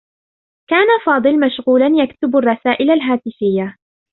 كان فاضل مشغولا، يكتب الرّسائل الهاتفيّة.